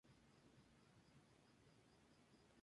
Adora la humedad y las flores.